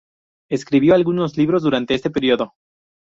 Escribió algunos libros durante este periodo.